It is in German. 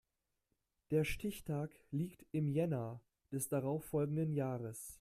Der Stichtag liegt im Jänner des darauf folgenden Jahres.